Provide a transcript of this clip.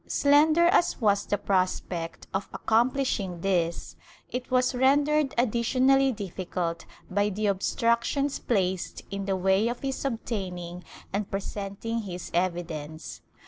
Slender as was the prospect of accomplishing this, it was rendered additionally difficult by the obstructions placed in the way of his obtaining and presenting his evidence.